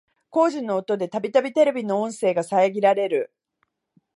工事の音でたびたびテレビの音声が遮られる